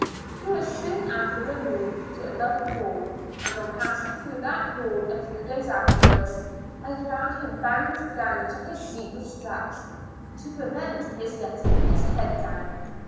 He was soon after removed to another hall ; and on passing through that hall a few days afterwards, I found him bound down to his seat with straps, to pre vent his getting his head down.